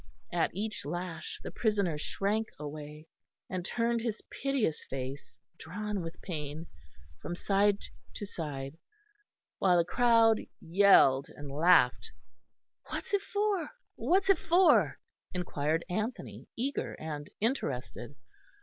At each lash the prisoner shrank away, and turned his piteous face, drawn with pain, from side to side, while the crowd yelled and laughed. "What's it for, what's it for?" inquired Anthony, eager and interested.